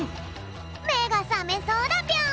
めがさめそうだぴょん！